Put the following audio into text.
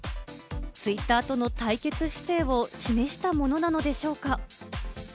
ツイッターとの対決姿勢を示したものなのでしょうか？